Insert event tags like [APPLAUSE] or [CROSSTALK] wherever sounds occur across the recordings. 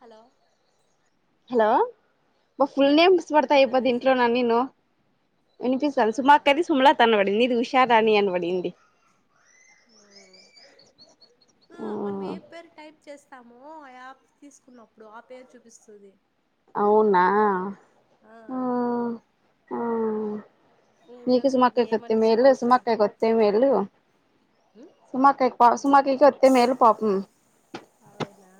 Hello లో full names పడతా వినిపిత్తందా అయిపోద్ది ఇంట్లోన సౌజీ నేను వినిపిస్తాను అవునా సుమా అక్కది సుమలత అని పడింది ఇది ఉషారాణి అనీ పడింది ఆ మనం ఏ పేరు టైప్ చేస్ స్తాము యాప్ తీసుకున్నప్పుడు ఆ పేరు చూపిస్తుంది అవునా ఆ ఇంకా మీకు సుమాక్క సౌజీ కొత్త ఏమంట సుమ మేలు అక్క సుమాక్కాకి కొత్త మేలు ఉమ్, సుమాక్క పా సుమాకికి కొత్త మేలు పాపం అవునా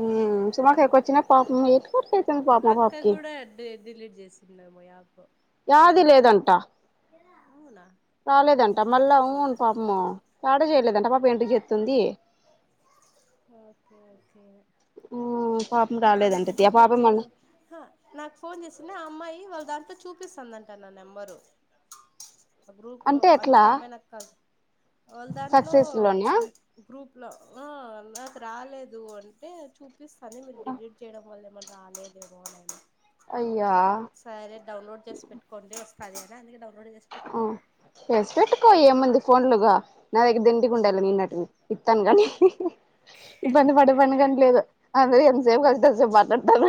ఉ సుమ అక్కాకు వచ్చిన ఓకే పాపం ఎట్ కొట్టాయితుంది పాప అక్క పాపకి కూడా డి డిలీట్ చేసిందేమో యాప్ యాది లేదంటా అవునా కాలే దంటా మళ్ళ ఉ మ్మో ఆడ చేయలేదంట మా ఫ్రెండు చేతుంది మ్మ్ పాపం నాదైతే రాలేదంటది ఆ డిలీట్ పాపం మళ్ళ చేయడం హా నాకు ఫోన్ చేసింది ఆ అమ్మాయి వాళ్ళ దానితో చూపిస్తుందంటా నా నెంబరు గ్రూప్ లో అంటే ఎట్లా అందుకు అమ్మాయినిక్కదు వాళ్ళ దాంట్లో సక్సెస్ లోనా గ్రూప్ ఆ నాకు రాలేదు అంటే చూ చూపిస్తానే మీరు డిలీట్ చేయడం వల్ల ఏమన్నా రాలేదు ఏమోనని అయ్యా సరే డౌన్లోడ్ చేసి పెట్టుకోండి వా అదేనా నీ డౌట్ ఆ చేసి పెట్టుకో ఏముంది ఫోన్లుగా నా దగ్గర దింటి గుండాలే నిన్నటివి ఇత్తాను గని ఇబ్బంది పడి పని గని లేదు. అందర్ ఎంతసేపు కలుస్తే అంతసేపు మాట్లాడ్తారు.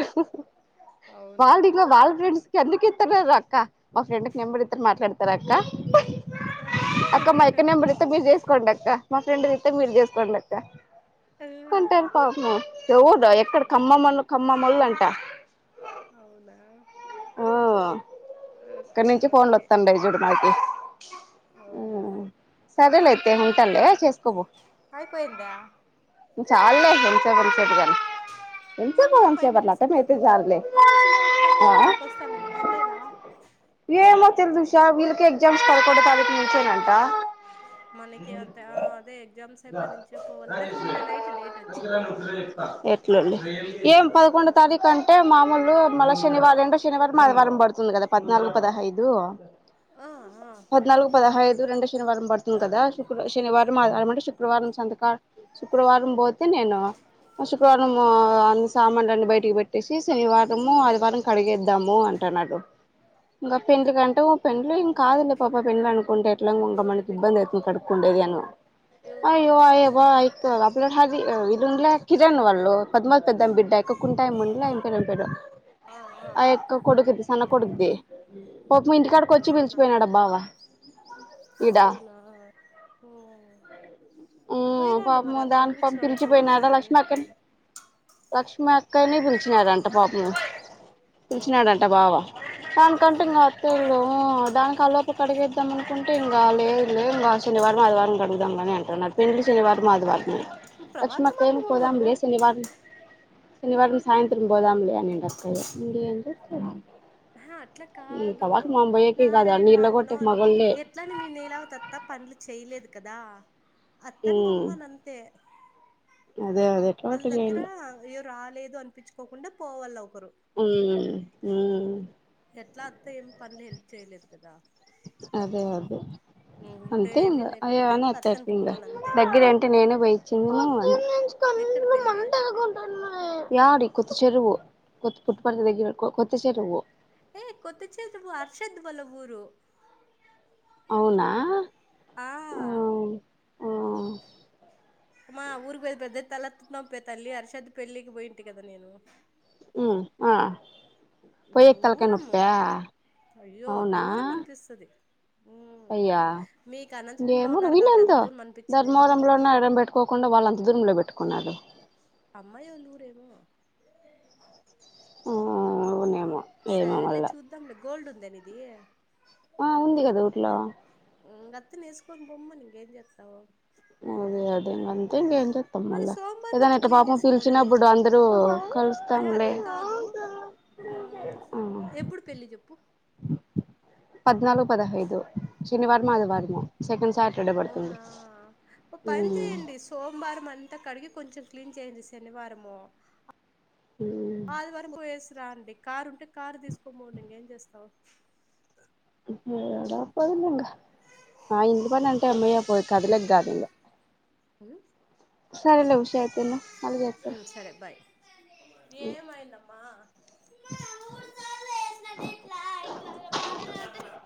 అవునా వాళ్ళింగ వాళ్ల ఫ్రెండ్స్కి అందుకే [INAUDIBLE] అక్క మా ఫ్రెడ్క్ నెంబర్ ఇత్త మాట్లాడ్ తరక్క అక్క మా అక్క నెంబర్ మీర్ చేస్కోండి అక్క మా ఫ్రెండ్ది ఇస్తా మీర్ చేస్కోండక్క కుంటారు పాపం ఎవరు ఎక్కడ ఖమ్మం ఓళ్ళు ఖమ్మం ఓళ్ళు అంట అవునా ఆ ఓకే ఇక్కడ్నుంచి ఫోన్లు ఓకే వస్తాన్టయి జూడు నాకి అవునా సరేలే ఉంటాలే చేస్ అయిపోయిందా చాల్లే ఎంతసేప్ ఎంతసేప్ ఇగ మినిమం ఫైవ్ మినిట్స్ అట్లా అయితే ఉంటుందేమో చాలులే అవును సుమ అక్క ఆ ఊర్ బస్ తన్ అన్నాన్ లేదా [UNINTELLIGIBLE] ఎగ్జామ్స్ పదకొండు తారీక్ నుంచేనంట. మనకి అంత ఆ అదే ఎగ్జామ్స్ అయిపోయి నుంచే పోవాల నాకు నిన్న నైట్ డేట్ వచ్చా ఏం ఆ పదకొండు తారీక్ అంటే మామూలు మళ్ళ శనివారం రెండో శనివారం, ఆదివారం పడుతుంది కదా పద్నాలుగు పదహైదు ఆ ఆ పద్నాలుగు పదహైద్ రెండో శనివారం పడ్తుంది కదా శుక్ర శనివారం ఆది అంటే శుక్రవారం సంతకా శుక్రవారం భో నేను ఆ శుక్రవారం అ సామాన్లన్ని బయటికి పెట్టేసి శనివారము, ఆదివారం కడిగేద్ ద్దాము అంటన్నాడు. ఇంకా పెన్ లంటే ఓ ఆ పెండ్లి ఏం కాదు లే పాప పెండ్లి అనుకుంటే ఎట్ల ఇంక ఎవరిది మనకి పెళ్ళి ఇబ్బందయితుంది కడుక్కుడేది అని ఎవరిది అయ్యో పెళ్ళి అయ్యో పా అయి అప్పుడో హ్యాపీ ఇది ఉండలే కిరణ్ వాళ్ళు పద్మ పెద్ద బిడ్డకు కుంటాయి ఆ [UNINTELLIGIBLE] ఆ యొక్క కొడుకుది సన్న కొడుక్ది. పాపము ఇంటికాడక్ వచ్చి అవునా పిలిచిపోయినడా బావా ఈడ అవునా మ్మ్ మ్ పోయిరండి మరి పాపము అంత దానిక్ పా విలువిచ్చినప్పుడు పోవాలి పిలిచిపోయినాడా సౌజీ లక్ష్మీ అక్కన్ లక్ష్మీ కానీ పిలిచినారంట పాపము అవునా పిలిచినాడంట బావా పాను కంటింగ అత్తళ్ళు దాని కల్లాపు కడిగేద్దాం అనుకుంటే ఇంకా లేదు లే ఇంకా శనివారం ఆదివారం కడుదాం గాని అంటున్నారు పెళ్ళి శనివారం ఆదివారం ప్రభాకర్ లక్ష్మక్కేం మామిడి బొమ్మను పోదాములే శనివార్మ్ శనివారం సాయంత్రం పోదాం లే అనిండ్ అక్కయ్య ఇడింత ఆ అట్లా కాదు పోయేకి కాదు నారాయణ అన్ని ఇళ్ళ మామ కొట్టే నో మగోళ్ళే ఎట్లాని మీ నీలావతత్త పనులు చేయలేదు కదా అత్తను ఉమ్ బొమ్మను అంతే అదే అదేట్లో వాళ్ళ అట్ల దగ్గర చేయ్యల్ల అయ్యో రాలేదు అనిపిచ్చుకోకుండా పోవాల ఒకరు ఆం ఉమ్మ్ ఎట్లా అత్త ఏం పనులు హెల్ప్ చేయలేదు కదా అదే అదే ఉమ్, అంతే ఇంగ ఉంటేనేమి అయ్యో లేకపోతే అనే ఎందుకు అత్తని బొమ్మను అంతే [INAUDIBLE] దగ్గర అంటే నేనే బొయ్యొచ్చిన్ను ఎక్కడ పెళ్ళి యాడి కొత్త చెరువు కొత్తు కొత్తపల్లి దగ్గిర కొ కొత్త చెరువు ఏ కొత్తచెరువు అర్షద్ వాళ్ళ ఊరు అవునా ఆ ఊ ఊ మా అ ఊరికి పొయ్యేది పెద్ద [INAUDIBLE] పే తల్లి హర్షద్ పెళ్ళికి పోయింటి కదా నేను ఊ ఆ పొయ్యేకి తలకాయ్ దూరము నొప్పా అయ్యో అవునా దూరం అనిపిస్తది ఉమ్ అయ్యా మీకు అనంతపురంలో ఇంగేమో నువ్ ఉన్నారు కాబట్టి అంత వినంతా దూరం అనిపించదేమో ధర్మవరంలోనో ఎడం పెట్టుకోకుండా వాళ్ళంత దూరంలో పెట్టు కున్నాడు అమ్మాయోళ్ళూరేమో ఊనేమో ఏమో సరేలే మళ్ళ చూద్దాం లే గోల్డ్ ఉందా నీది ఆ ఉంది కదా ఊర్లో ఉమ్మ్ గత్తి నేసుకొని బొమ్మను ఇంకేం చేత్తవ్ అదే అదేం అంతే ఇంకేం చేత్తాం మరి మళ్ళా సోమవారం ఏదానా అట్లా ఇట్ల క్లీన్ పాపం చేసుకోండి పిలిచినప్పుడు అందరు ఆహా కలుస్తాంలే అట్లా కాదు ఉమ్ ఉమ్మ్ ఎప్పుడు పెళ్ళి చెప్పు పద్నాలుగు పదహైదు శనివారము ఆదివారము సెకండ్ సాట్ అవునా ఓ పని చేయండి సోమవారం మన్ తే కడిగి కొంచెం క్లీీన్ చేయండి శనివారము ఆలవరకు యస్ రా అండి కారు ఉంటే కారు తీసుకొంపోండి ఇంక ఏం చేస్తావు ఎడా పోదు ఇంకా ఆ ఇంట్ల పడి అంటే అమ్మయ పోయి కదలేక కాదు ఇంకా అయితే మళ్ళీ చేత్తా సరే బయ్ ఏమయందమ్మా లాలా బట